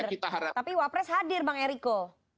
tapi wapres hadir tapi wapres hadir bang eriko